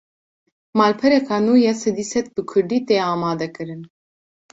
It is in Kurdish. Malpereke nû ya sedî sed bi Kurdî, tê amadekirin